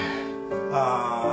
ああ。